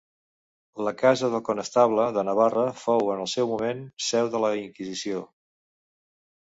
La casa del Conestable de Navarra fou en el seu moment seu de la Inquisició.